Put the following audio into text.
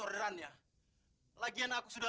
ketahu dianggap rusak